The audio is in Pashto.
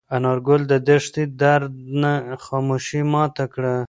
انارګل د دښتې درنه خاموشي ماته کړه.